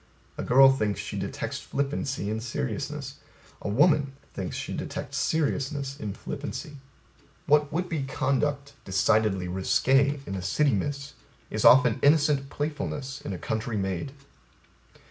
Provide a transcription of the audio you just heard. A girl thinks she detects flippancy in seriousness. A woman thinks she detects seriousness in flippancy. What would be conduct decidedly risqué in a city miss, is often innocent playfulness in a country maid.